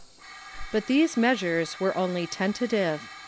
But these measures Avere onh' tentative.